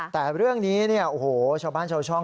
แต่เรื่องนี้เนี่ยโอ้โหชาวบ้านชาวช่อง